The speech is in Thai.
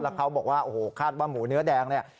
เขาบอกว่าโอ้โหคาดว่าหมูเนื้อแดงเนี่ย